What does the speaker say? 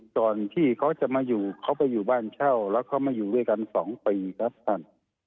ก่อนที่เขาจะมาอยู่เขาไปอยู่บ้านเช่าแล้วเขามาอยู่ด้วยกัน๒ปีครับท่าน